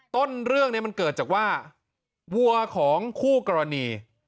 ต้นเรื่องนี้มันเกิดจากว่าวัวของคู่กรณี